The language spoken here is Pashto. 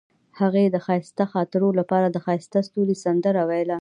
هغې د ښایسته خاطرو لپاره د ښایسته ستوري سندره ویله.